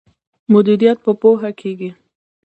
مدیریت په پوهه کیږي.